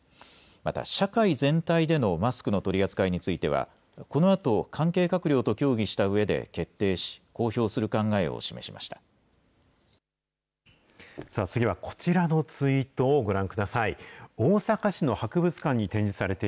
また社会全体でのマスクの取り扱いについては、このあと関係閣僚と協議したうえで決定し、次はこちらのツイートをご覧ください。